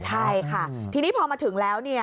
ใช่ค่ะทีนี้พอมาถึงแล้ว